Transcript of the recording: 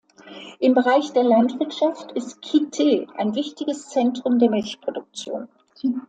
Im Bereich der Landwirtschaft ist Kitee ein wichtiges Zentrum der Milchproduktion.